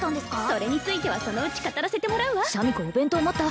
それについてはそのうち語らせてもらうわお弁当持った？